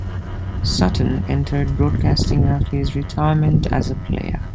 Sutton entered broadcasting after his retirement as a player.